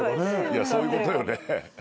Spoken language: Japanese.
そういうことよね。